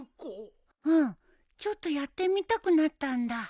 ちょっとやってみたくなったんだ。